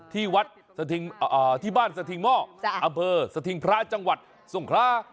ที่วัดที่บ้านสถิงหม้ออำเภอสถิงพระจังหวัดสงครา